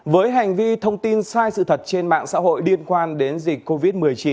với hành vi thông tin sai sự thật trên mạng xã hội liên quan đến dịch covid một mươi chín